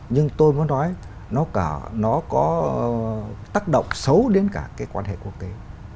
nhưng tôi muốn nói nó có tác động xấu đến cả cái quan hệ quốc tế